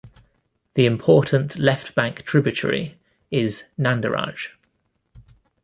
The important left bank tributary is Nandiraj.